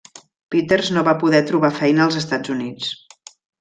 Peters no va poder trobar feina als Estats Units.